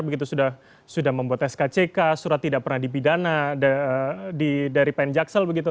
begitu sudah membuat skck surat tidak pernah dipidana dari penjaksal